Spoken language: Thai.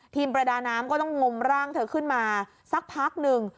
ประดาน้ำก็ต้องงมร่างเธอขึ้นมาสักพักหนึ่ง